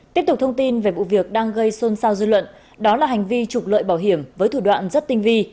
tiếp tục thông tin về vụ việc đang gây xôn xao dư luận đó là hành vi trục lợi bảo hiểm với thủ đoạn rất tinh vi